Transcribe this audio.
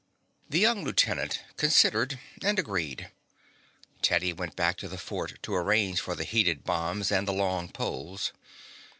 The young lieutenant considered and agreed. Teddy went back to the fort to arrange for the heated bombs and the long poles.